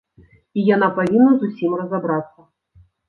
І яна павінна з усім разабрацца.